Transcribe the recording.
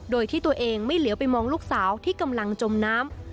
โดยที่ตัวเองไม่เหลียวไปมองลูกสาวที่กำลังจมน้ำ